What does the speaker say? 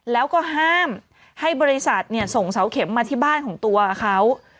แล้วก็ห้ามให้บริษัทส่งเสาเข็มมาที่บ้านของตัวเขา